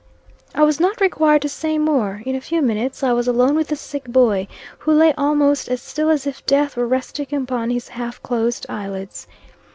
I was not required to say more. In a few minutes I was alone with the sick boy, who lay almost as still as if death were resting upon his half closed eye lids.